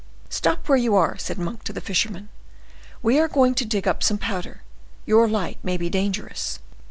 "Stop where you are," said Monk to the fisherman. "We are going to dig up some powder; your light may be dangerous."